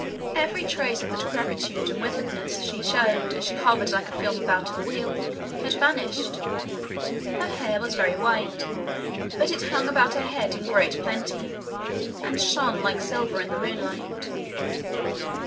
Every trace of the decrepitude and witheredness she showed as she hovered like a film about her wheel, had vanished. Her hair was very white, but it hung about her head in great plenty, and shone like silver in the moonlight.